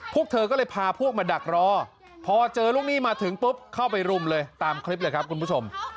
พวกเธอก็เลยพาพวกมาดักรอพอเจอลูกหนี้มาถึงปุ๊บเข้าไปรุมเลยตามคลิปเลยครับคุณผู้ชม